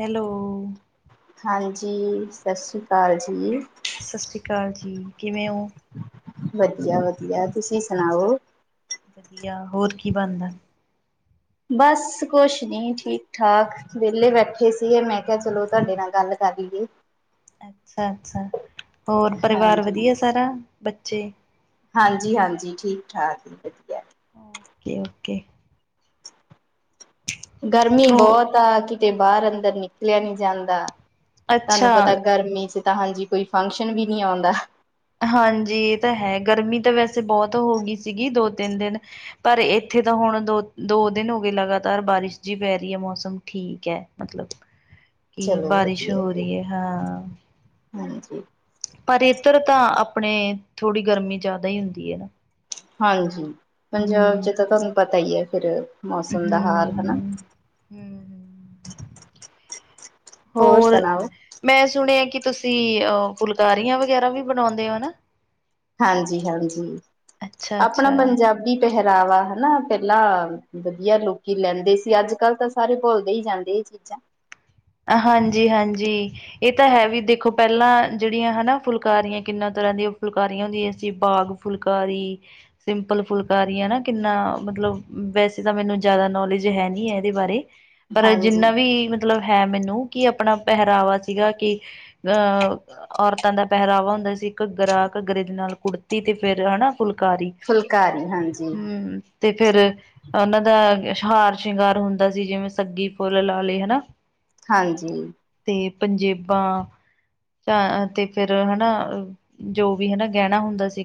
Hello, ਹਾਂਜੀ, ਸਤਿ ਸ਼੍ਰੀ ਅਕਾਲ ਜੀ। ਸਤਿ ਸ਼੍ਰੀ ਅਕਾਲ ਜੀ। ਕਿਵੇਂ ਹੋ? ਵਧੀਆ -ਵਧੀਆ ਤੁਸੀਂ ਸੁਣਾਓ? ਵਧੀਆ, ਹੋਰ ਕੀ ਬਣਦਾ। ਬਸ ਕੁਛ ਨੀ, ਠੀਕ -ਠਾਕ। ਵਿਹਲੇ ਬੈਠੇ ਸੀਗੇ, ਮੈਂ ਕਿਹਾ ਚਲੋ ਤੁਹਾਡੇ ਨਾਲ ਗੱਲ ਕਰ ਲਈਏ। ਅੱਛਾ- ਅੱਛਾ ਹੋਰ ਪਰਿਵਾਰ ਹਾਂਜੀ ਵਧੀਆ ਸਾਰਾ ਬੱਚੇ। ਹਾਂਜੀ- ਹਾਂਜੀ ਠੀਕ- ਠਾਕ ਜੀ ਵਧੀਆ। Okay -okay. ਗਰਮੀ ਹੋ ਬਹੁਤ ਆ ਕਿਤੇ ਬਾਹਰ- ਅੰਦਰ ਨਿਕਲਿਆ ਨਹੀਂ ਜਾਂਦਾ। ਅੱਛਾ ਤੁਹਾਨੂੰ ਪਤਾ ਗਰਮੀ ਚ' ਤਾਂ ਹਾਂਜੀ, ਕੋਈ ਫੰਕਸ਼ਨ ਵੀ ਨਹੀਂ ਆਉਂਦਾ। ਹਾਂਜੀ, ਇਹ ਤਾਂ ਹੈ ਗਰਮੀ ਤਾਂ ਵੈਸੇ ਬਹੁਤ ਹੋ ਗਈ ਸੀਗੀ ਦੋ- ਤਿੰਨ ਦਿਨ। ਪਰ ਇੱਥੇ ਤਾਂ ਹੁਣ ਦੋ- ਦੋ ਦਿਨ ਹੋ ਗਏ ਲਗਾਤਾਰ ਬਾਰਿਸ਼ ਜਿਹੀ ਪੈ ਰਹੀ ਹੈ ਮੌਸਮ ਠੀਕ ਹੈ। ਮਤਲਬ [inaudible] ਕਿ, ਬਾਰਿਸ਼ ਵਧੀਆ ਹੋ ਫਿਰ। ਰਹੀ ਹੈ? ਹਾਂ। ਹਾਂਜੀ। ਪਰ ਇਧਰ ਤਾਂ ਆਪਣੇ ਥੋੜ੍ਹੀ ਗਰਮੀ ਜ਼ਿਆਦਾ ਹੀ ਹੁੰਦੀ ਹੈ ਨਾ। ਹਾਂਜੀ। ਪੰਜਾਬ ਚ ਤਾਂ ਤੁਹਾਨੂੰ ਪਤਾ ਹੀ ਹੈ। ਫਿਰ ਮੌਸਮ ਦਾ ਹਾਲ ਹਨਾ ਹਮ ਹਮ ਹ ਹੋਰ, ਮੈਂ ਸੁਣਿਆ ਕਿ ਤੁਸੀਂ ਅਹ ਫੁਲਕਾਰੀਆਂ ਵਗੈਰਾ ਵੀ ਬਣਾਉਂਦੇ ਹੋ। ਹਾਂਜੀ- ਹਾਂਜੀ, ਆਪਣਾ ਅੱਛਾ-ਅੱਛਾ ਪੰਜਾਬੀ ਪਹਿਰਾਵਾ ਹਨਾ। ਪਹਿਲਾਂ ਵਧੀਆ ਲੋਕੀ ਲੈਂਦੇ ਸੀ ਅੱਜ ਕੱਲ੍ਹ ਤਾਂ ਸਾਰੇ ਭੁਲਦੇ ਹੀ ਜਾਂਦੇ ਇਹ ਚੀਜ਼ਾਂ। ਹਾਂਜੀ -ਹਾਂਜੀ। ਇਹ ਤਾਂ ਹੈ ਵੀ ਦੇਖੋ ਪਹਿਲਾਂ ਏਤਾ ਏ ਏਤਾ ਹੈ ਵੀ ਪਹਿਲਾਂ ਦੇਖੋ ਜਿਹੜੀਆਂ ਹਨਾ, ਫੁਲਕਾਰੀਆਂ ਕਿੰਨਾ ਤਰ੍ਹਾਂ ਦੀਆਂ ਫੁਲਕਾਰੀਆਂ ਹੁੰਦੀਆਂ ਸੀ। ਬਾਗ ਫੁਲਕਾਰੀ ਸਿੰਪਲ ਫੁਲਕਾਰੀਆਂ ਨਾ, ਕਿੰਨਾ ਮਤਲਬ ਵੈਸੇ ਤਾਂ ਮੈਨੂੰ ਜ਼ਿਆਦਾ ਨੌਲੇਜ ਹੈ ਨਹੀਂ ਹੈ ਇਹਦੇ ਬਾਰੇ ਪਰ ਹਾਂਜੀ ਜਿੰਨਾ ਵੀ ਮਤਲਬ ਹੈ। ਮੈਨੂੰ ਕਿ ਆਪਣਾ ਪਹਿਰਾਵਾ ਸੀਗਾ ਕਿ ਅਹ ਔਰਤਾਂ ਦਾ ਪਹਿਰਾਵਾ ਹੁੰਦਾ ਸੀ, ਘੱਗਰਾ -ਘੱਗਰੇ ਦੇ ਨਾਲ ਕੁੜਤੀ ਤੇ ਫੇਰ ਹਨਾ ਫੁਲਕਾਰੀ ਫੁਲਕਾਰੀ ਹਾਂਜੀ ਹਮ ਤੇ ਫੇਰ ਉਹਨਾਂ ਦਾ ਹਾਰ ਸ਼ਿੰਗਾਰ ਹੁੰਦਾ ਸੀ। ਜਿਵੇਂ ਸੱਗੀ ਫੁੱਲ ਲਾ ਲਏ ਹਨਾ ਹਾਂਜੀ ਤੇ ਪੰਜੇਬਾਂ ਤੇ ਫੇਰ ਹਨਾ ਜੋ ਵੀ ਗਹਿਣਾ ਹੁੰਦਾ ਸੀ।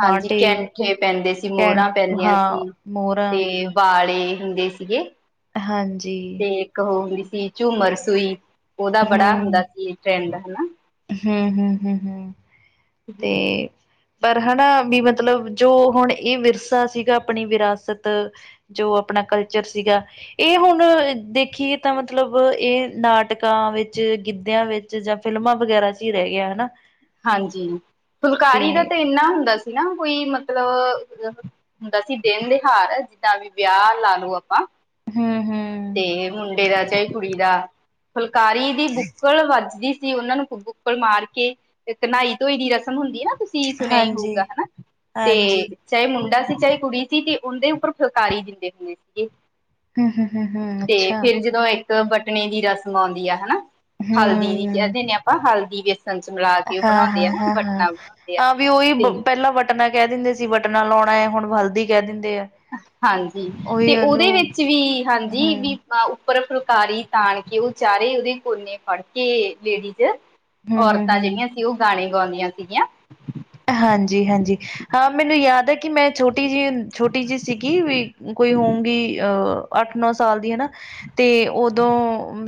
ਹਾਂਜੀ! ਕੈਂਠੇ ਪੈਂਦੇ ਸੀ। ਕੈਂ ਮੋਰਾਂ ਪੈਂਦੀਆਂ ਹਾਂ ਸੀ ਮੋਹਰਾਂ ਤੇ ਵਾਲੇ ਹੁੰਦੇ ਸੀਗੇ ਹਾਂਜੀ ਤੇ ਇੱਕ ਉਹ ਹੁੰਦੀ ਸੀ। ਝੂਮਰ ਸੂਈ ਉਹਦਾ ਬੜਾ ਹੁੰਦਾ ਹੂੰ ਸੀ ਟਰੈਂਡ ਹਨਾ ਅਤੇ ਪਰ ਹਨਾ ਵੀ ਮਤਲਬ ਜੋ ਹੁਣ ਇਹ ਵਿਰਸਾ ਸੀਗਾ ਆਪਣੀ ਵਿਰਾਸਤ ਜੋ ਆਪਣਾ ਕਲਚਰ ਸੀਗਾ ਇਹ ਹੁਣ ਦੇਖੀਏ ਤਾਂ ਮਤਲਬ ਇਹ ਨਾਟਕ ਤਾਂ ਵਿੱਚ ਗਿੱਧਿਆਂ ਵਿੱਚ ਜਾਂ ਫਿਲਮਾਂ ਵਗੈਰਾ ਚ ਹੀ ਰਹਿ ਗਿਆ ਹਨਾ। ਹਾਂਜੀ! ਫੁਲਕਾਰੀ ਦਾ ਤੇ ਇੰਨਾ ਹੁੰਦਾ ਸੀ। ਨਾ ਕੋਈ ਮਤਲਬ ਹੁੰਦਾ ਸੀ। ਦਿਨ ਤਿਉਹਾਰ ਜਿੱਦਾਂ ਵੀ ਵਿਆਹ ਲਾ ਲੋ ਆਪਾਂ। ਹਮ ਹਮ ਤੇ ਮੁੰਡੇ ਦਾ ਤੇ ਕੁੜੀ ਦਾ ਫੁਲਕਾਰੀ ਦੀ ਬੁੱਕਲ ਵੱਜਦੀ ਸੀ। ਉਹਨਾਂ ਨੂੰ ਬੁੱਕਲ ਮਾਰ ਕੇ ਘਨਾਈ ਧੋਈ ਦੀ ਰਸਮ ਹੁੰਦੀ ਹੈ ਨਾ ਤੀ ਸੁਣਿਆ ਹੀ ਹਾਂਜੀ ਹੋਊਗਾ ਹਨਾ ਤੇ ਹਾਂਜੀ ਚਾਹੇ ਮੁੰਡਾ ਸੀ ਚਾਹੇ ਕੁੜੀ ਸੀ ਤੇ ਉਹਦੇ ਉੱਪਰ ਫੁਲਕਾਰੀ ਦਿੰਦੇ ਹੁੰਦੇ ਸੀਗੇ। ਹਮ- ਹਮ- ਹਮ- ਹਮ ਤੇ ਫੇਰ ਜਦੋਂ ਇੱਕ ਬਟਣੇ ਦੀ ਰਸਮ ਆਉਂਦੀ ਆ ਹਨਾ ਹੂੰ, ਹਲਦੀ ਦੀ ਕਹਿ ਹਾਂ-ਹਾਂ-ਹਾਂ-ਹਾਂ। ਦਿੰਦੇ ਆਪਾਂ ਹਲਦੀ ਵ [unintelligible] ਹਾਂ- ਹਾਂ- ਹਾਂ- ਹਾਂ ਆਹ ਵੀ ਉਹੀ ਤੇ ਪਹਿਲਾਂ ਵਟ ਪਹਿਲਾਂ ਕਹਿ ਦਿੰਦੇ ਸੀ। ਬਟਨਾ ਲਾਉਣਾ ਏ, ਹੁਣ ਹਲਦੀ ਕਹਿ ਦਿੰਦੇ ਆ ਹਾਂਜੀ ਉਹੀ ਤੇ ਉਹਨੂੰ ਉਹਦੇ ਵਿੱਚ ਵੀ ਹਾਂਜੀ ਵੀ ਹੂੰ, ਉੱਪਰ ਫੁਲਕਾਰੀ ਤਾਣ ਕੇ ਉਹ ਚਾਰੇ ਉਹਦੇ ਕੋਨੇ ਫੜ ਕੇ ਲੇਡੀਜ਼ ਔਰਤਾਂ ਹੂੰ-ਹੂੰ-ਹੂੰ। ਜਿਹੜੀਆਂ ਸੀ ਉਹ ਗਾਣੇ ਗਾਉਂਦੀਆਂ ਸੀਗੀਆਂ। ਹਾਂਜੀ ਹਾਂਜੀ ਹਾਂ ਮੈਨੂੰ ਯਾਦ ਐ ਕਿ ਮੈਂ ਛੋਟੀ ਜਿਹੀ ਛੋਟੀ ਜਿ ਸੀਗੀ ਵੀ ਕੋਈ ਹੋਊਗੀ ਅਹ ਅੱਠ- ਨੌ ਸਾਲ ਦੀ ਹਨਾ ਤੇ ਉਦੋਂ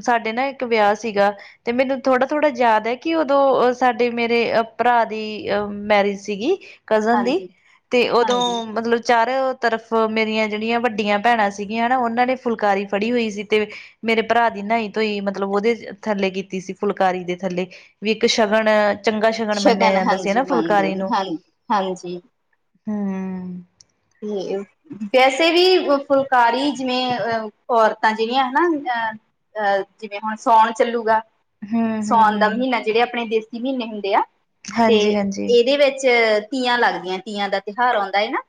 ਸਾਡੇ ਨਾ ਇੱਕ ਵਿਆਹ ਸੀਗਾ। ਤੇ ਮੈਨੂੰ ਥੋੜਾ- ਥੋੜ੍ਹਾ ਯਾਦ ਹੈ ਕਿ ਉਦੋਂ ਅਹ ਸਾਡੇ ਮੇਰੇ ਅਹ ਭਰਾ ਦੀ ਅਹ ਮੈਰਿਜ ਸੀਗੀ ਕਜ਼ਨ ਦੀ ਹਾਂਜੀ ਤੇ ਉਦੋਂ ਹਾਂਜੀ ਮਤਲਬ ਚਾਰੋ ਤਰਫ ਮੇਰੀਆਂ ਜਿਹੜੀਆਂ ਵੱਡੀਆਂ ਭੈਣਾਂ ਸੀਗੀਆਂ ਹੈ ਨਾ ਉਹਨਾਂ ਨੇ ਫੁਲਕਾਰੀ ਫੜੀ ਹੋਈ ਸੀ ਤੇ ਮੇਰੇ ਭਰਾ ਦੀ ਨਾਈ ਧੋਈ ਮਤਲਬ ਉਹਦੇ ਥੱਲੇ ਕੀਤੀ ਸੀ ਫੁਲਕਾਰੀ ਦੇ ਥੱਲੇ ਵੀ ਇੱਕ ਸ਼ਗਨ ਚੰਗਾ ਸ਼ਗਨ ਮੰਨਿਆ ਜਾਂਦਾ ਸੀ ਹਨਾ ਮੰਨਦੇ ਹਾਂਜੀ -ਹਾਂਜੀ ਹਮਮ [unintelligible] ਵੈਸੇ ਵੀ ਫੁਲਕਾਰੀ ਜਿਵੇਂ ਅਹ ਔਰਤਾਂ ਜਿਹੜੀਆਂ ਹਨਾ ਅਹ ਅਹ ਜਿਵੇਂ ਹੁਣ ਸਾਉਣ ਚੱਲੂਗਾ ਸਾਉਣ ਦਾ ਹੂੰ-ਹੂੰ-ਹੂੰ, ਮਹੀਨਾ ਜਿਹੜੇ ਆਪਣੇ ਦੇਸੀ ਮਹੀਨੇ ਹੁੰਦੇ ਆ। ਤੇ ਹਾਂਜੀ-ਹਾਂਜੀ, ਇਹਦੇ ਵਿੱਚ ਤੀਆਂ ਲੱਗਦੀਆਂ ਤੀਆਂ ਦਾ ਤਿਉਹਾਰ ਆਉਂਦਾ ਹੈ ਨਾ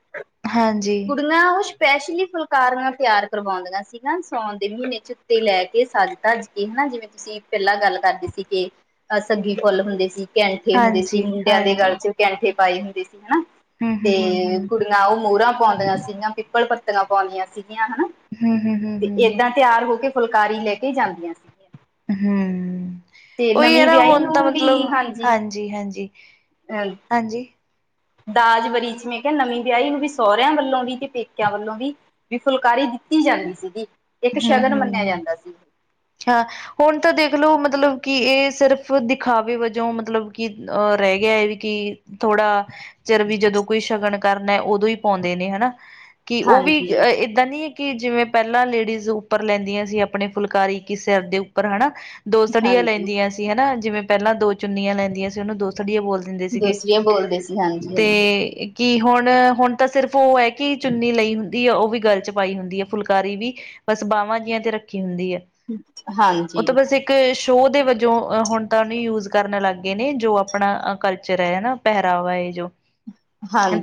ਹਾਂਜੀ ਉਹ ਸਪੈਸ਼ਲੀ ਫੁਲਕਾਰੀਆਂ ਤਿਆਰ ਕਰਵਾਉਂਦੀਆਂ ਸੀ ਸਾਉਣ ਦੇ ਮਹੀਨੇ ਚ ਤੇ ਲੈ ਕੇ ਸਜ ਤੱਜ ਕੇ ਹਨਾ ਜਿਵੇਂ ਤੁਸੀਂ ਪਹਿਲਾਂ ਗੱਲ ਕਰਦੇ ਸੀ ਕਿ ਅ ਸੱਗੀ ਫੁੱਲ ਹੁੰਦੇ ਸੀ ਕੈਂਠੇ ਹੁੰਦੇ ਸੀ ਮੁੰਡਿਆਂ ਦੇ ਹਾਂਜੀ-ਹਾਂਜੀ, ਗਲ ਚ ਕੈਂਠੇ ਪਾਏ ਹੁੰਦੇ ਸੀ ਹਨਾ ਤੇ ਹੂੰ-ਹੂੰ-ਹੂੰ-ਹੂੰ, ਕੁੜੀਆਂ ਨਾ ਉਹ ਮੋਰਾ ਪਾਉਂਦੀਆਂ ਸੀਗੀਆਂ, ਪਿੱਪਲ ਪੱਤਾਂ ਪਾਉਂਦੀਆਂ ਸੀਗੀਆਂ, ਹਨਾ ਹੂੰ-ਹੂੰ-ਹੂੰ-ਹੂੰ। ਹੂੰ, ਹੂੰ, ਹੂੰ, ਹੂੰ, ਤੇ ਹੂੰ, ਏਦਾਂ ਤਿਆਰ ਹੋ ਕੇ ਫੁਲਕਾਰੀ ਲੈ ਕੇ ਜਾਂਦੀਆਂ ਸੀਗੀਆਂ ਹੂੰ, ਹੂੰ, ਉਹੀ ਹੈ ਨਾ ਵਿਆਹੀ ਹੁਣ ਤਾਂ ਨੂੰ ਵੀ ਮਤਲਬ ਹਾਂਜੀ ਹਾਂਜੀ-ਹਾਂਜੀ। ਅਹ ਹਾਂਜੀ ਦਾਜ ਵਰੀ ਚ ਮੈ ਕਿਹਾ ਨਵੀਂ ਵਿਆਹੀ ਨੂੰ ਵੀ ਸਹਰਿਆਂ ਵੱਲੋਂ ਵੀ ਤੇ ਪੇਕਿਆਂ ਵੱਲੋਂ ਵੀ। ਵੀ ਫੁਲਕਾਰੀ ਦਿੱਤੀ ਜਾਂਦੀ ਸੀਗੀ, ਇੱਕ ਸ਼ਗਨ ਮੰਨਿਆ ਹੂੰ, ਜਾਂਦਾ ਸੀ। ਹਾਂ, ਹੁਣ ਤਾਂ ਦੇਖਲੋ ਮਤਲਬ ਕਿ ਇਹ ਸਿਰਫ ਦਿਖਾਵੇ ਵਜੋਂ ਮਤਲਬ ਕਿ ਅਹ ਰਹਿ ਗਿਆ ਹੈ ਵੀ ਕਿ ਥੋੜਾ ਚਿਰ ਵੀ ਜਦੋਂ ਕੋਈ ਸ਼ਗਨ ਕਰਨਾ ਉਦੋਂ ਹੀ ਪਾਉਂਦੇ ਨੇ ਹਨਾ, ਕਿ ਉਹ ਵੀ ਹਾਂਜੀ ਅਹ ਇੱਦਾਂ ਨੀ ਹੈ ਕਿ ਜਿਵੇਂ ਪਹਿਲਾ ਲੇਡੀਜ਼ ਉੱਪਰ ਲੈਂਦੀਆ ਸੀ ਆਪਣੇ ਫੁਲਕਾਰੀ ਕਿ ਸਿਰ ਦੇ ਉੱਪਰ ਹਨਾ, ਦੋਸੜੀਆ ਹਾਂਜੀ ਲੈਂਦੀਆ ਸੀ ਹਨਾ ਜਿਵੇਂ ਪਹਿਲਾਂ ਦੋ ਚੁੰਨੀਆਂ ਲੈਂਦੀਆ ਸੀ ਉਹਨੂੰ ਦੋ ਥੋੜੀ ਬੋਲ ਦਿੰਦੇ ਸੀਗੇ ਦੂਸਰੀਆਂ ਬੋਲਦੇ ਸੀ ਹਾਂਜੀ ਹਾਂਜੀ ਤੇ ਕਿ ਹੁਣ ਹੁਣ ਤਾਂ ਸਿਰਫ ਉਹ ਹੈ ਕਿ ਚੁੰਨੀ ਲਈ ਦੀ ਆ ਉਹ ਵੀ ਗਲ ਚ ਪਾਈ ਹੁੰਦੀ ਹੈ ਫੁਲਕਾਰੀ ਵੀ ਬਸ ਬਾਹਵਾਂ ਜਿਆ ਤੇ ਰੱਖੀ ਹੁੰਦੀ ਹੈ, ਉਹ ਹਾਂਜੀ ਤਾਂ ਬਸ ਇੱਕ ਸ਼ੋਅ ਦੇ ਵਜੋਂ ਹੁਣ ਤਾਂ ਉਹਨੂੰ ਯੂਜ ਕਰਨ ਲੱਗ ਗਏ ਨੇ ਜੋ ਆਪਣਾ ਕਲਚਰ ਆ ਹੈ ਨਾ ਪਹਿਰਾਵਾ ਇਹ ਜੋ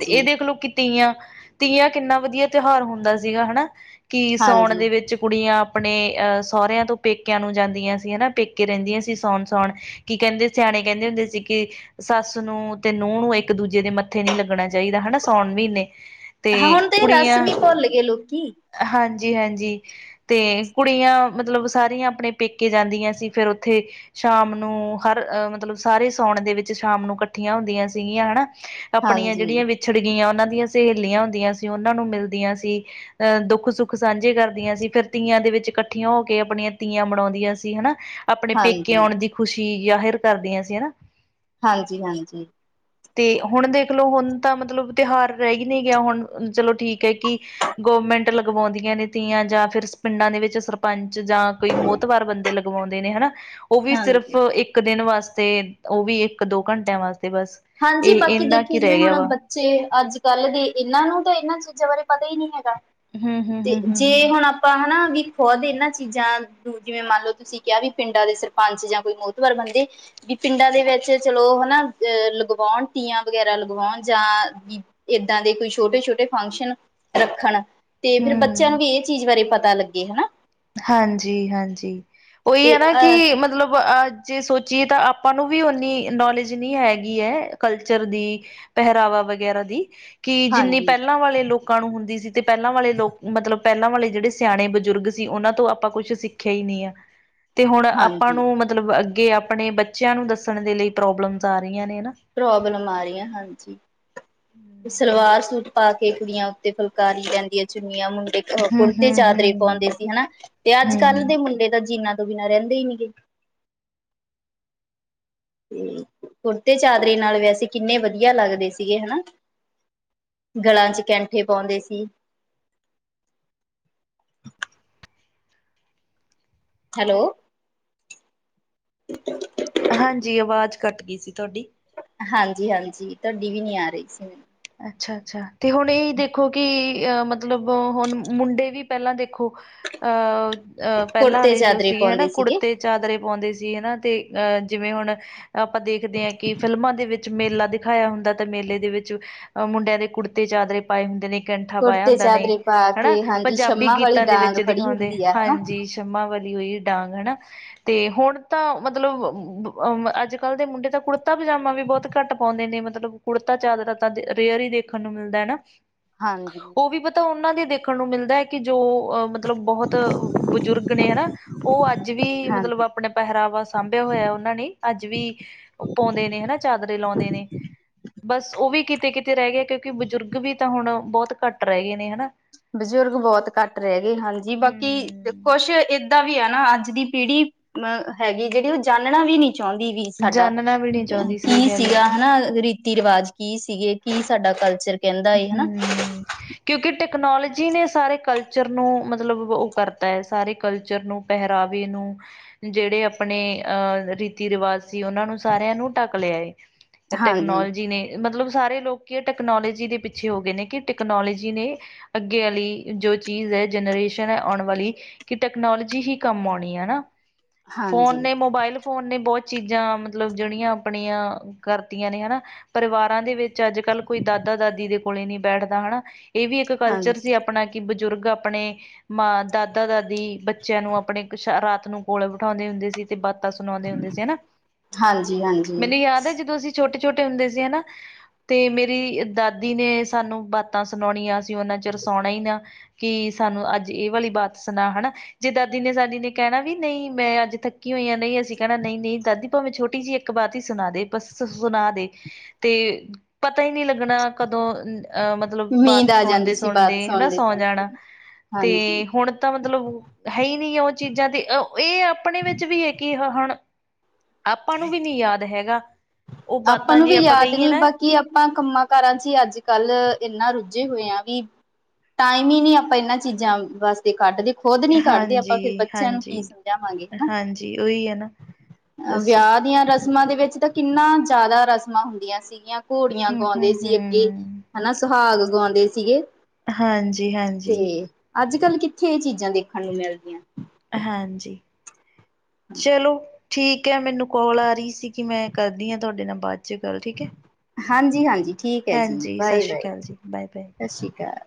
ਤੇ ਇਹ ਦੇਖਲਓ ਕਿ ਤੀਆਂ- ਤੀਆਂ ਕਿੰਨਾ ਵਧੀਆ ਤਿਉਹਾਰ ਹੁੰਦਾ ਸੀਗਾ ਹਨਾ, ਕੀ ਸੌਉਣ ਹਾਂਜੀ ਦੇ ਵਿੱਚ ਵਿੱਚ ਕੁੜੀਆਂ ਆਪਣੇ ਸਹੁਰਿਆਂ ਤੋਂ ਪੇਕਿਆਂ ਨੂੰ ਜਾਂਦੀਆਂ ਸੀ ਹਨਾ ਪੇਕੇ ਰਹਿੰਦੀਆਂ ਸੀ ਸ਼ੌਉਣ- ਸੌਉਣ ਕੀ ਕਹਿੰਦੇ ਸਿਆਨੇ ਕਹਿੰਦੇ ਹੁੰਦੇ ਸੀ ਕੇ ਸੱਸ ਨੂੰ ਤੇ ਨੂੰਹ ਨੂੰ ਇੱਕ ਦੂਜੇ ਦੇ ਮੱਥੇ ਨਹੀ ਲੱਗਣਾ ਚਾਹੀਦਾ ਹਨਾ ਸਾਉਣ ਦੇ ਮਹੀਨੇ, ਹਾਂ, ਹੁਣ ਤੇ ਰਸਮੀ ਹੀ ਭੁੱਲ ਗਏ ਲੋਕੀ, ਹਾਂਜੀ-ਹਾਂਜੀ। ਤੇ ਕੁੜੀਆਂ ਮਤਲਬ ਸਾਰੀਆਂ ਆਪਣੇ ਪੇਕੇ ਜਾਂਦੀਆਂ ਸੀ, ਫਿਰ ਉੱਥੇ ਸ਼ਾਮ ਨੂੰ ਹਰ ਅਹ ਮਤਲਬ ਸਾਰੇ ਸਾਉਣ ਦੇ ਵਿੱਚ ਸ਼ਾਮ ਨੂੰ ਇਕੱਠੀਆਂ ਹੁੰਦੀਆ ਸੀਗੀਆਂ ਹਨਾ, ਆਪਣੀਆ ਹਾਂਜੀ ਜਿਹੜੀਆਂ ਛੜ ਗਈਆ, ਉਹਨਾਂ ਦੀਆਂ ਸਹੇਲੀਆਂ ਹੁੰਦੀਆ ਸੀ, ਉਹਨਾਂ ਨੂੰ ਮਿਲਦੀਆ ਸੀ, ਅਹ ਦੁੱਖ ਸੁੱਖ ਸਾਂਝੇ ਕਰ ਸੀ ਫਿਰ ਤੀਆਂ ਦੇ ਵਿੱਚ ਇਕੱਠੀਆਂ ਹੋ ਕੇ ਆਪਣੀਆਂ ਤੀਆਂ ਬਣਾਉਂਦੀਆਂ ਸੀ, ਹਨਾ ਆਪਣੇ ਪੇਕੇ ਹਾਂਜੀ ਆਉਣ ਦੀ ਖੁਸ਼ੀ ਜਾਹਿਰ ਕਰਦੀਆਂ ਸੀ ਹਨਾ ਹਾਂਜੀ-ਹਾਂਜੀ। ਤੇ ਹੁਣ ਦੇਖਲੋ ਹੁਣ ਤਾਂ ਮਤਲਬ ਤਿਉਹਾਰ ਰਹਿ ਹੀ ਨਹੀਂ ਗਿਆ, ਹੁਣ ਚਲੋ ਠੀਕ ਹੈ ਕਿ ਗੋਰਮੈਂਟ ਲਗਵਾਉਂਦੀਆਂ ਨੇ ਤੀਆ ਜਾਂ ਫਿਰ ਪਿੰਡਾਂ ਦੇ ਵਿੱਚ ਸਰਪੰਚ ਜਾਂ ਕੋਈ ਮੋਤਵਾਰ ਬੰਦੇ ਲਗਵਾਉਂਦੇ ਨੇ ਹੈਨਾ ਉਹ ਵੀ ਸਿਰਫ਼ ਹਾਂਜੀ ਇੱਕ ਦਿਨ ਵਾਸਤੇ ਉਹ ਵੀ ਇੱਕ ਦੋ ਘੰਟਿਆ ਵਾਸਤੇ ਬਸ ਹਾਂਜੀ, ਇਹ ਬਾਕੀ ਇੰਨਾ ਦੇਖੀਏ ਕੀ ਜਿਵੇਂ ਰਹਿ ਗਿਆ ਹੁਣ ਵਾ ਬੱਚੇ ਅੱਜ ਕੱਲ੍ਹ ਦੇ ਇਹਨਾਂ ਨੂੰ ਤਾਂ ਇਹਨਾਂ ਚੀਜ਼ਾਂ ਬਾਰੇ ਪਤਾ ਹੀ ਨਹੀਂ ਹੈਗਾ। ਹਮ ਹਮ ਹਮ ਤੇ ਹਮ ਜੇ ਹਮ ਹੁਣ ਆ ਆਪਾਂ ਹਨਾ ਵੀ ਖੁਦ ਇਹਨਾਂ ਚੀਜ਼ਾਂ ਨੂੰ ਜਿਵੇਂ ਮੰਨ ਲਓ, ਤੁਸੀਂ ਕਿਹਾ ਵੀ ਪਿੰਡਾਂ ਦੇ ਸਰਪੰਚ ਜਾਂ ਕੋਈ ਮੋਤਵਾਰ ਬੰਦੇ ਵੀ ਪਿੰਡਾਂ ਦੇ ਵਿੱਚ ਚਲੋ ਹਨਾ ਅਹ ਲਵਾਉਣ ਤੀਆਂ ਵਗੈਰਾ ਲਗਵਾਉਣ, ਜਾਂ ਇੱਦਾਂ ਦੇ ਕੋਈ ਛੋਟੇ- ਛੋਟੇ ਫੰਕਸ਼ਨ ਰੱਖਣ ਤੇ ਫਿਰ ਬੱਚਿਆਂ ਹਮ ਨੂੰ ਵੀ ਇਹ ਚੀਜ਼ ਬਾਰੇ ਪਤਾ ਲੱਗੇ ਹਨਾ, ਹਾਂਜੀ-ਹਾਂਜੀ, ਉਹੀ ਹੈ ਤੇ ਨਾ ਅਹ ਕਿ ਮਤਲਬ ਅਹ ਜੇ ਸੋਚੀਏ ਤਾਂ ਆਪਾਂ ਨੂੰ ਵੀ ਉਨੀ ਨੌਲੇਜ ਨਹੀਂ ਹੈਗੀ ਹੈ, ਕਲਚਰ ਦੀ ਪਹਿਰਾਵਾ ਵਗੈਰਾ ਦੀ ਕਿ ਜਿੰਨੀ ਹਾਂਜੀ ਪਹਿਲਾਂ ਵਾਲੇ ਲੋਕਾਂ ਨੂੰ ਹੁੰਦੀ ਸੀ ਤੇ ਪਹਿਲਾਂ ਵਾਲੇ ਲੋਕ ਮਤਲਬ ਪਹਿਲਾਂ ਵਾਲੇ ਜਿਹੜੇ ਸਿਆਣੇ ਬਜ਼ੁਰਗ ਸੀ, ਉਹਨਾਂ ਤੋਂ ਆਪਾਂ ਕੁਛ ਸਿੱਖਿਆ ਹੀ ਨਹੀ ਆ, ਤੇ ਹੁਣ ਆਪਾਂ ਹਾਂਜੀ ਨੂੰ ਮਤਲਬ ਮਤਲਬ ਅੱਗੇ ਆਪਣੇ ਬੱਚਿਆਂ ਨੂੰ ਦੱਸਣ ਦੇ ਲਈ ਪ੍ਰੋਬਲਮਸ ਆ ਰਹੀਆਂ ਨੇ, ਪ੍ਰੋਬਲਮ ਆ ਰਹੀਆਂ ਹਾਂਜੀ, ਸਲਵਾਰ ਸੂਟ ਪਾ ਕੇ ਕੁੜੀਆਂ ਉੱਤੇ ਫੁਲਕਾਰੀ ਰੈਂਦੀਆਂ ਚੁੰਨੀਆਂ ਮੁੰਡੇ ਹੂੰ, ਕੁੜਤੇ ਹੂੰ, ਚਾਦਰਰੇ ਪਾਉਂਦੇ ਹੂੰ, ਸੀ ਹਨਾ ਤੇ ਅੱਜ ਕੱਲ੍ਹ ਹੂੰ। ਦੇ ਮੁੰਡੇ ਤਾਂ ਜੀਨਾਂ ਤੋਂ ਬਿਨਾਂ ਰਹਿੰਦੇ ਹੀ ਨੀ ਗੇ। ਤੇ ਕੁੜਤੇ-ਚਾਦਰੇ ਨਾਲ ਵੈਸੇ ਕਿੰਨੇ ਵਧੀਆ ਲੱਗਦੇ ਸੀਗੇ ਹਨਾ? ਗਲਾਂ'ਚ ਕੈਂਠੇ ਪਾਉਂਦੇ ਸੀ। ਹੈਲੋ। [unintelligible] ਹਾਂਜੀ, ਅਵਾਜ਼ ਕੱਟ ਗਈ ਸੀ, ਤੁਹਾਡੀ। ਹਾਂਜੀ-ਹਾਂਜੀ ਤੁਹਾਡੀ ਵੀ ਨੀ ਆ ਰਹੀ ਸੀ, ਮੈਨੂੰ। ਅੱਛਾ-ਅੱਛਾ, ਤੇ ਹੁਣ ਇਹੀ ਦੇਖੋ ਕਿ, ਅ ਮਤਲਬ ਮਤਲਬ ਹੁਣ, ਮੁੰਡੇ ਵੀ ਪਹਿਲਾਂ ਦੇਖੋ ਅਹ-ਅਹ ਪਹਿਲਾਂ ਕੁੜਤੇ ਵਾਲੇ ਜੋ ਚਾਦਰੇ ਸੀਗੇ ਹਨਾ ਪਾਉਂਦੇ ਸੀਗੇ ਕੁੜਤੇ ਚਾਦਰੇ ਪਾਉਂਦੇ ਸੀ ਹਨਾ ਤੇ, ਅਹ ਜਿਵੇਂ ਹੁਣ ਆਪਾਂ ਦੇਖਦੇ ਆਂ ਕਿ ਫਿਲਮਾਂ ਦੇ ਵਿੱਚ ਮੇਲਾ ਦਿਖਾਇਆ ਹੁੰਦਾ, ਤੇ ਮੇਲੇ ਦੇ ਵਿੱਚ ਅਹ ਮੁੰਡਿਆਂ ਦੇ ਕੁੜਤੇ-ਚਾਦਰੇ ਪਾਏ ਹੁੰਦੇ ਨੇ, ਕੈੰਠਾ ਪਾਇਆ ਕੁੜਤੇ ਹੁੰਦਾ ਨੇ, ਚਾਦਰੇ ਪਾ ਹੈਣਾ। ਕੇ ਹਾਂਜੀ ਪੰਜਾਬੀ ਛੰਮਾਂ ਵਾਲੀ ਗੀਤਾਂ ਦੇ ਡਾਂਗ ਵਿੱਚ ਫੜੀ ਦਿਖਾਂਉਦੇ, ਹੁੰਦੀ ਆ ਹਨਾ ਹਾਂਜੀ ਜੰਮਾ ਵਾਲੀ ਹੋਈ ਏ, ਡਾਂਗ ਹਣਾ। ਤੇ ਹੁਣ ਤਾਂ ਮਤਲਬ, ਅ ਅੱਜ-ਕੱਲ ਦੇ ਮੁੰਡੇ ਤਾ ਕੁੜਤਾ-ਪਜਾਮਾ ਵੀ ਬਹੁਤ ਘੱਟ ਪਾਉਂਦੇ ਨੇ, ਮਤਲਬ ਕੁੜਤਾ-ਚਾਦਰਾ ਤਾਂ ਕਈ ਵਾਰੀ ਦੇਖਣ ਨੂੰ ਮਿਲਦਾ ਹਨਾ, ਹਾਂਜੀ ਉਹ ਵੀ ਪਤਾ ਉਹਨਾਂ ਦੀ ਦੇਖਣ ਨੂੰ ਮਿਲਦਾ ਹੈ, ਕਿ ਜੋ ਮਤਲਬ ਬਹੁਤ ਬਜ਼ੁਰਗ ਨੇ ਹਣਾ, ਉਹ ਅੱਜ ਵੀ ਮਤਲਬ ਹਾਂਜੀ ਆਪਣਾ ਪਹਿਰਾਵਾ ਸਾਂਭਿਆ ਹੋਇਆ ਉਹਨਾਂ ਨੇ। ਅੱਜ ਵੀ ਓ ਪਾਉਂਦੇ ਨੇ, ਹਨਾ ਚਾਦਰੇ ਲਾਉਂਦੇ ਨੇ। ਬਸ, ਉਹ ਵੀ ਕਿਤੇ-ਕਿਤੇ ਰਹਿ ਗਿਆ, ਕਿਉਂਕਿ ਬਜ਼ੁਰਗ ਵੀ ਤਾਂ ਹੁਣ ਬਹੁਤ ਘੱਟ ਰਹਿ ਗਏ ਨੇ, ਹਨਾ। ਬਜ਼ੁਰਗ ਬਹੁਤ ਘੱਟ ਰਹਿ ਗਏ, ਹਾਂਜੀ ਬਾਕੀ ਹਮ ਕੁਛ ਏਦਾਂ ਵੀ ਹੈ ਨਾ ਅੱਜ ਦੀ ਪੀੜੀ ਅਹ, ਹੈਗੀ, ਜਿਹੜੀ ਉਹ ਜਾਨਨਾ ਵੀ ਨੀ, ਚਾਹੁੰਦੀ ਵੀ ਸਾਡਾ, ਜਾਨਣਾ ਵੀ ਨਹੀਂ ਚਾਹੁੰਦੀ ਸਹੀ ਕੀ ਗੱਲ ਹੈ ਸੀਗਾ ਹਨਾ ਰੀਤੀ-ਰਿਵਾਜ। ਕੀ ਸੀਗੇ, ਕੀ ਸਾਡਾ ਕਲਚਰ ਕਹਿੰਦਾ ਏ ਹਨਾ ਹੂੰ। ਕਿਉਂਕਿ ਟੈਕਨੋਲੋਜੀ ਨੇ ਸਾਰੇ ਕਲਚਰ ਨੂੰ, ਮਤਲਬ ਉਹ ਕਰਤਾ ਹੈ, ਸਾਰੇ ਕਲਚਰ ਨੂੰ ਪਹਿਰਾਵੇ ਨੂੰ, ਜਿਹੜੇ ਆਪਣੇ ਅ ਰੀਤੀ ਰਿਵਾਜ ਅਸੀ ਉਹਨਾਂ ਨੂੰ ਸਾਰਿਆਂ ਨੂੰ ਢੱਕ ਲਿਆ ਏ, ਹਾਂਜੀ, ਟੈਕਨੋਲਜੀ ਨੇ ਮਤਲਬ ਸਾਰੇ ਲੋਕੀ ਟੈਕਨੋਲੇਜੀ ਦੇ ਪਿੱਛੇ ਹੋ ਗਏ ਨੇ, ਕਿ ਟੈਕਨੋਲੋਜੀ ਨੇ ਅੱਗੇ ਵਾਲੀ ਜੋ ਚੀਜ਼ ਐ, ਜਨਰੇਸ਼ਨ ਹੈ ਆਉਣ ਵਾਲੀ ਕਿ ਟੈਕਨੋਲੋਜੀ ਹੀ ਕੰਮ ਆਉਣੀ ਏ, ਹੈਨਾ। ਹਾਂਜੀ, ਫੋਨ ਨੇ ਮੋਬਾਇਲ ਫੋਨ ਨੇ ਬਹੁਤ ਚੀਜ਼ਾਂ, ਮਤਲਬ ਜਿਹੜੀਆਂ ਆਪਣੀਆਂ ਕਰਤੀਆਂ ਨੇ ਹਨਾ। ਪਰਿਵਾਰਾਂ ਦੇ ਵਿੱਚ ਅੱਜ-ਕੱਲ ਕੋਈ ਦਾਦਾ-ਦਾਦੀ ਦੇ ਕੋਲੇ ਨੀ ਬੈਠਦਾ ਹਣਾ। ਇਹ ਵੀ ਇੱਕ ਕਲਚਰ ਹਾਂਜੀ, ਸੀ ਆਪਣਾ ਕਿ ਬਜ਼ੁਰਗ, ਆਪਣੇ ਮਾਂ, ਦਾਦਾ, ਦਾਦੀ ਬੱਚਿਆਂ ਨੂੰ ਆਪਣੇ ਰਾਤ ਨੂੰ ਕੋਲੇ ਬਿਠਾਉਂਦੇ ਹੁੰਦੇ ਸੀ ਤੇ, ਬਾਤਾ ਸੁਣਾਉਂਦੇ ਹੁੰਦੇ ਸੀ, ਹਨਾ। ਹਾਂਜੀ, ਹਾਂਜੀ। ਮੈਨੂੰ ਯਾਦ ਹੈ ਜਦੋਂ ਅਸੀਂ ਛੋਟੇ-ਛੋਟੇ ਹੁੰਦੇ ਸੀ ਹਨਾ, ਤੇ ਮੇਰੀ ਦਾਦੀ ਨੇ ਸਾਨੂੰ ਬਾਤਾਂ ਸੁਣਾਉਣੀਆਂ ਸੀਂ ਉਹਨਾ ਚੇਰ ਸੋਣਾ ਹੀ ਨਾ, ਕਿ ਸਾਨੂੰ ਅੱਜ ਇਹ ਵਾਲੀ ਬਾਤ ਸੁਣਾ ਹਨਾ ਜੇ ਦਾਦੀ ਨੇ ਸਾਡੀ ਨੇ ਕਹਿਣਾ ਵੀ ਨਹੀਂ, 'ਮੈਂ' ਅੱਜ ਥੱਕੀ ਹੋਈ ਹਾਂ ਨਹੀਂ ਅਸੀਂ ਕਹਿਣਾ, ਨਹੀਂ-ਨਹੀਂ ਦਾਦੀ ਭਾਵੇਂ ਛੋਟੀ ਜਿਹੀ ਇੱਕ ਬਾਤ ਹੀ ਸੁਣਾਦੇ, ਬਸ ਸੁਣਾਦੇ ਤੇ ਪਤਾ ਹੀ ਨਹੀਂ ਲੱਗਣਾ ਕਦੋਂ, ਮ ਮਤਲਬ ਨੀਂਦ ਬਾਤ ਆ ਜਾਂਦੀ ਸੀ ਬਾਤ ਸੁਣਦੇ-ਸੁਣਦੇ, ਹਨਾ ਸੁਣਦੇ ਸੌਂ ਸੁਣਦੇ ਜਾਣਾ ਤੇ ਹਾਂਜੀ। ਹੁਣ ਤਾਂ ਮਤਲਬ ਹੈਹੀ ਨਹੀਂ ਉਹ ਚੀਜ਼ਾਂ ਤੇ ਅ ਇਹ ਆਪਣੇ ਵਿੱਚ ਵੀ ਹੈ ਕਿ, ਹੁਣ ਆਪਾਂ ਨੂੰ ਵੀ ਨੀ ਯਾਦ ਹੈਗਾ। ਉਹ ਆਪਾਂ ਬਾਤਾਂ ਨੂੰ ਵੀ ਜੇ ਯਾਦ ਕਹੀਏ ਨੀ, ਨਾ ਬਾਕੀ ਆਪਾਂ ਕੰਮਾ ਕਾਰਾਂ'ਚ ਹੀ ਅੱਜ-ਕੱਲ ਇਨਾ ਰੁੱਝੇ ਹੋਏ ਆਂ ਵੀ ਟਾਈਮ ਹੀ ਨਹੀਂ ਆਪਾਂ ਇਹਨਾਂ ਚੀਜ਼ਾਂ ਨੂੰ, ਬਸ ਤੇ ਕੱਢਦੇ, ਖੁਦ ਨੀ ਕੱਢਦੇ, ਆਪਾਂ ਹਾਂਜੀ ਫਿਰ ਬੱਚਿਆਂ ਨੂੰ ਹਾਂਜੀ ਕੀ ਸਮਝਾਵਾਂਗੇ ਹਨਾ। ਹਾਂਜੀ ਉਹੀ ਹੈ ਨਾ ਦੱਸ ਵਿਆਹ ਦੀਆਂ ਰਸਮਾਂ ਦੇ ਵਿੱਚ ਤਾਂ ਕਿੰਨਾ ਜ਼ਿਆਦਾ ਰਸਮਾਂ ਹੁੰਦੀਆਂ ਸੀਗੀਆਂ। ਘੋੜੀਆਂ ਹੂੰ ਗਾਉਂਦੇ ਹੂੰ ਸੀ ਅੱਗੇ ਹੂੰ ਹਨਾ ਸੁਹਾਗ ਗਾਉਂਦੇ ਸੀਗੇ ਹਾਂਜੀ ਤੇ ਹਾਂਜੀ ਅੱਜ ਕੱਲ੍ਹ ਕਿੱਥੇ ਇਹ ਚੀਜ਼ਾਂ ਦੇਖਣ ਨੂੰ ਮਿਲਦੀਆਂ। ਹਾਂਜੀ ਚਲੋ ਠੀਕ ਹੈ ਮੈਨੂੰ ਕੋਲ ਆ ਰਹੀ ਸੀ ਕਿ ਮੈਂ ਕਰਦੀ ਹਾਂ ਤੁਹਾਡੇ ਨਾਲ ਬਾਦ ਚ ਗੱਲ ਠੀਕ ਹੈ। ਹਾਂਜੀ-ਹਾਂਜੀ ਹਾਂਜੀ ਠੀਕ ਹੈ ਜੀ ਹਾਂਜੀ ਸਤਿ ਸ਼੍ਰੀ ਬਾਏ-ਬਾਏ ਅਕਾਲ ਜੀ ਬਾਏ ਬਾਏ ਸਸ ਸ੍ਰੀ ਕਾਲ।